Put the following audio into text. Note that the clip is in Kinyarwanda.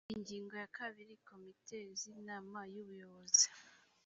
ingingo ya kabiri komite z’inama y’ubuyobozi